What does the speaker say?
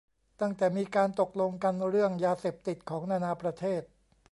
ตั้งแต่มีการตกลงกันเรื่องยาเสพติดของนานาประเทศ